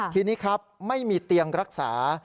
ทีนี้ครับไม่มีเตียงรักษา